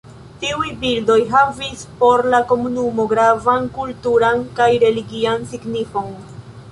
Tiuj bildoj havis por la komunumo gravan kulturan kaj religian signifon.